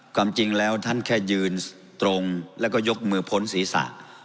ความจริงแล้วท่านแค่ยืนตรงแล้วก็ยกมือพ้นศีรษะ